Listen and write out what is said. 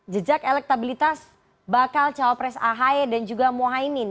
jejak elektabilitas bakal cawapres ahy dan juga mohaimin